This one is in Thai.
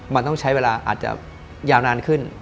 มันต้องใช้เวลาอาจจะยาวนานขึ้น